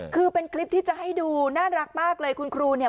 คือเป็นคลิปที่จะให้ดูน่ารักมากเลยคุณครูเนี่ย